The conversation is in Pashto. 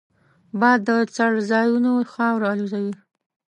باد د څړځایونو خاوره الوزوي